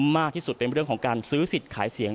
มากที่สุดเป็นเรื่องของการซื้อสิทธิ์ขายเสียง